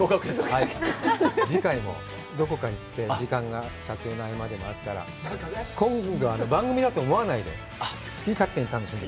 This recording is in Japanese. はい、次回もどこか行って、時間が撮影の合間でもあったら、今度はね、番組だと思わないで、好き勝手に楽しんで。